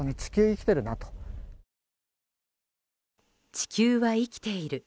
地球は生きている。